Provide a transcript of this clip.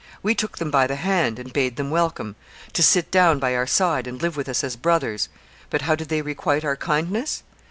We took them by the hand and bade them welcome, to sit down by our side and live with us as brothers; but how did they requite our kindness?